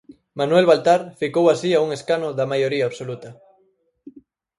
Manuel Baltar ficou así a un escano da maioría absoluta.